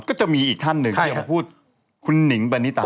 ก็จะมีอีกท่านหนึ่งที่ออกมาพูดคุณหนิงปานิตา